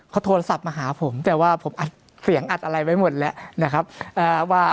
เขาโทรศัพท์มาหาผมแต่ว่าผมอัดเสียงอัดอะไรไว้หมดแล้วนะครับว่า